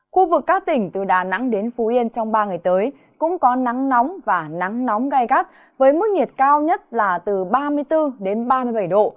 khu vực các tỉnh từ đà nẵng đến phú yên trong ba ngày tới cũng có nắng nóng và nắng nóng gai gắt với mức nhiệt cao nhất là từ ba mươi bốn đến ba mươi bảy độ